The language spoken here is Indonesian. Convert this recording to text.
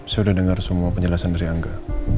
saya sudah dengar semua penjelasan dari angga